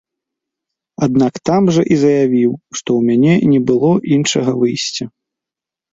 Аднак там жа і заявіў, што ў мяне не было іншага выйсця.